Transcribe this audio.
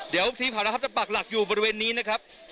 เดี๋ยวทีมข่าวนะครับจะปักหลักอยู่บริเวณนี้นะครับ